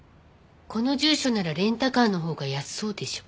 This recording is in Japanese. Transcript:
この住所ならレンタカーのほうが安そうでしょ。